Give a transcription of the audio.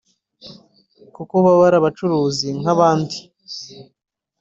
kuko baba ari abacuruzi nk’abandi